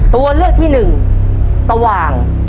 ตัวเลือกที่หนึ่งสว่าง